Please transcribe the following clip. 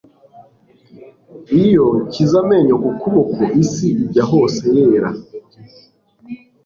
iyo nshyize amenyo ku kuboko isi ijya hose yera